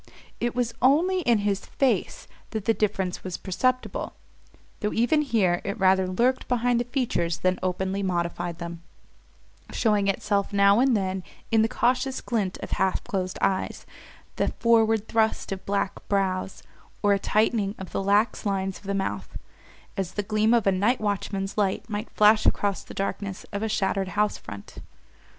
It was only in his face that the difference was perceptible, though even here it rather lurked behind the features than openly modified them: showing itself now and then in the cautious glint of half closed eyes, the forward thrust of black brows, or a tightening of the lax lines of the mouth as the gleam of a night watchman's light might flash across the darkness of a shuttered house front.